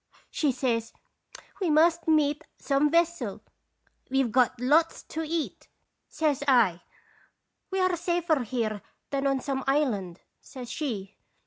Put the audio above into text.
" She says: 'We must meet some vessel.' "' We 've got lots to eat,' says I. "' We are safer here than on some island,' says she.